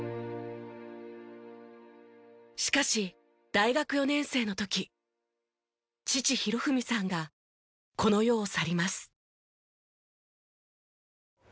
しかし大学４年生の時父寛文さんがこの世を去ります。